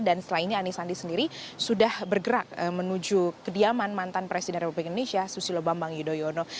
setelah ini anies sandi sendiri sudah bergerak menuju kediaman mantan presiden republik indonesia susilo bambang yudhoyono